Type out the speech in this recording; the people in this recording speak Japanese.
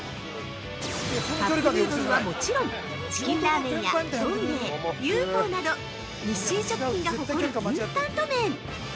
カップヌードルはもちろんチキンラーメンやどん兵衛ＵＦＯなど日清食品が誇るインスタント麺。